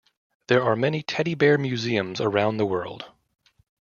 There are many teddy bear museums around the world.